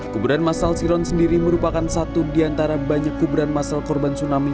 kuburan masal siron sendiri merupakan satu di antara banyak kuburan masal korban tsunami